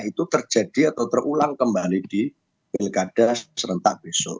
itu terjadi atau terulang kembali di pilkada serentak besok